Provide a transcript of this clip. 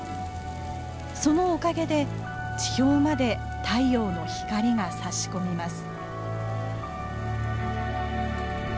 そのおかげで地表まで太陽の光がさし込みます。